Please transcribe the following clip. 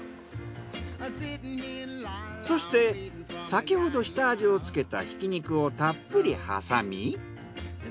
そして先ほど下味をつけたひき肉をたっぷり挟み。